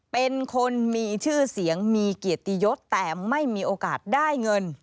เป็นคนมีชื่อเสียงมีเกียรติยศแต่ไม่มีโอกาสได้เงิน